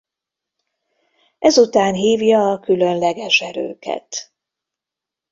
Ezután hívja a különleges erőket.